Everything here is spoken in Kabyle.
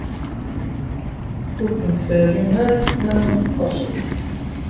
Ur kem-terri ara tmara ad d-taseḍ.